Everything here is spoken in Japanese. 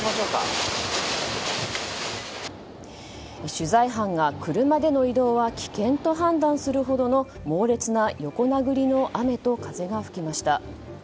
取材班が、車での移動は危険と判断するほどの猛烈な横殴りの雨と風が吹きました。